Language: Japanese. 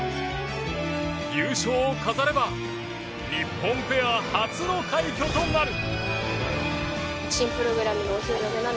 優勝を飾れば日本ペア初の快挙となる。